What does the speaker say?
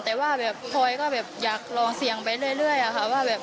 แต่ว่าพลอยก็อยากลองเสี่ยงไปเรื่อยอะค่ะ